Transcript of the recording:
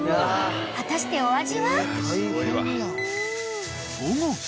［果たしてお味は？］